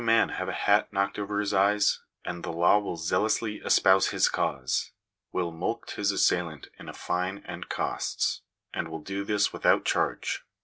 man have his hat knocked over his eyes, and the law will zealously espouse his cause — will mulct his assailant in a fine and costs, and will do this without charge.